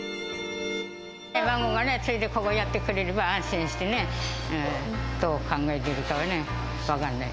孫がね、継いでやってくれれば、安心してね、どう考えているかはね、分からない。